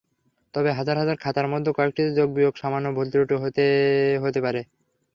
তবে হাজার হাজার খাতার মধ্যে কয়েকটিতে যোগ-বিয়োগে সামান্য ভুলত্রুটি হলে হতেও পারে।